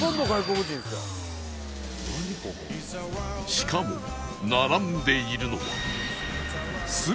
しかも並んでいるのは